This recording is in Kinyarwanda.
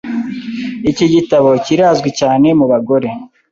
Iki gitabo kirazwi cyane mubagore.